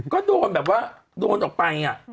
ก็โดนแบบว่าโดนออกไป